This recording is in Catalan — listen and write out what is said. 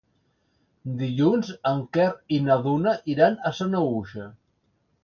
Dilluns en Quer i na Duna iran a Sanaüja.